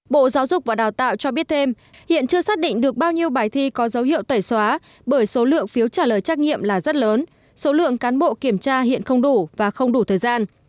bộ giáo dục và đào tạo cho biết thêm hiện chưa xác định được bao nhiêu bài thi có dấu hiệu tẩy xóa bởi số lượng phiếu trả lời trắc nghiệm là rất lớn số lượng cán bộ kiểm tra hiện không đủ và không đủ thời gian